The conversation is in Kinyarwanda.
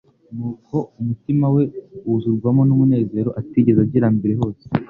nuko umutima we wuzurwamo n'umunezero atigeze agira mbere hose.